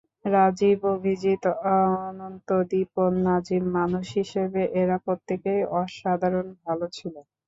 রাজীব, অভিজিৎ, অনন্ত, দীপন, নাজিম—মানুষ হিসেবে এরা প্রত্যেকেই অসাধারণ ভালো ছিল।